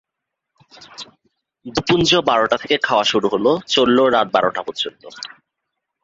দুপুঞ্জ বারটা থেকে খাওয়া শুরু হল, চলল রাত বারটা পর্যন্ত।